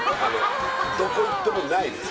どこ行ってもないです